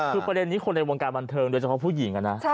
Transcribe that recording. คือประเด็นนี้คนในวงการบันเทิงโดยเฉพาะผู้หญิงนะ